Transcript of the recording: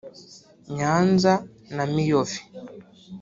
Nyanza na Miyove